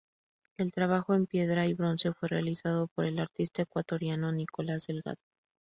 El trabajo en piedra y bronce fue realizado por el artista ecuatoriano Nicolás Delgado.